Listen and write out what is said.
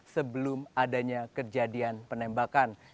sebelum adanya kejadian penembakan